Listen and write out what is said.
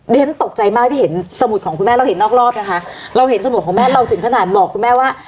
ฉันตกใจมากที่เห็นสมุดของคุณแม่เราเห็นนอกรอบนะคะเราเห็นสมุดของแม่เราถึงขนาดบอกคุณแม่ว่า